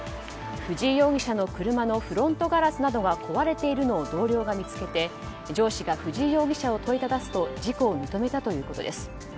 藤井容疑者の車のフロントガラスなどが壊れているのを同僚が見つけて上司が藤井容疑者を問いただすと事故を認めたということです。